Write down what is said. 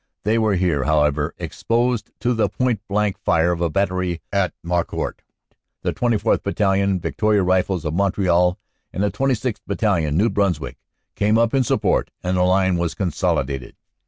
They were here, however, exposed to the point blank fire of a battery at Maucourt. The 24th. Battalion, Victoria Rifles of Mont real, and the 26th. Battalion, New Brunswick, came up in sup port and the line was consolidated.